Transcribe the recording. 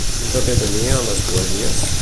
Quin paper tenia en les poesies?